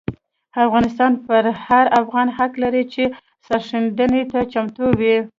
افغانستان پر هر افغان حق لري چې سرښندنې ته چمتو وي.